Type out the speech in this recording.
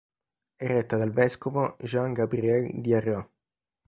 È retta dal vescovo Jean-Gabriel Diarra.